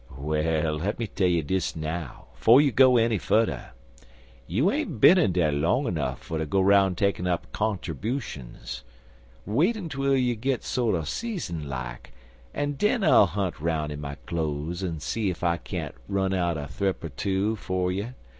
"Well, lemme tell you dis, now, 'fo' you go enny fudder. You ain't bin in dar long nuff fer ter go 'roun' takin' up conterbutions. Wait ontwell you gits sorter seasoned like, an' den I'll hunt 'roun' in my cloze an' see ef I can't run out a thrip er two fer you.